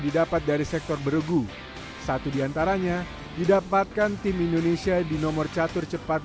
didapat dari sektor beregu satu diantaranya didapatkan tim indonesia di nomor catur cepat